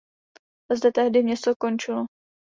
Zde tehdy město končilo.